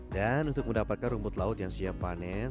dan untuk mendapatkan rumput laut yang siap panen